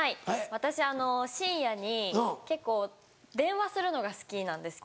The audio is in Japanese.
私深夜に結構電話するのが好きなんですけど。